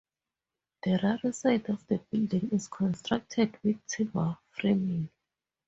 The rear side of the building is constructed with timber framing.